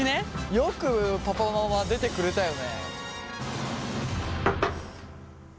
よくパパママ出てくれたよね。